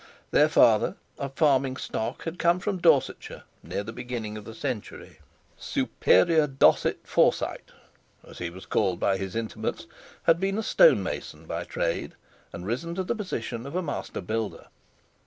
Their father, of farming stock, had come from Dorsetshire near the beginning of the century. "Superior Dosset Forsyte," as he was called by his intimates, had been a stonemason by trade, and risen to the position of a master builder.